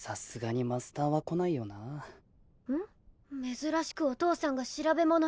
珍しくお父さんが調べ物してる。